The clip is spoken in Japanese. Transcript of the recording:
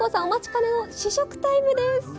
お待ちかねの試食タイムです。